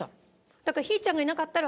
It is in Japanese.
だから。